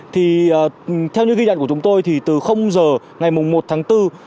thì theo những ghi nhận của chúng tôi thì từ giờ ngày một tháng bốn